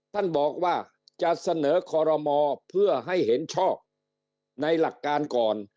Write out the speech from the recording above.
ท่านบอกว่าจะเสนอคอรมอเพื่อให้เห็นชอบในหลักการก่อน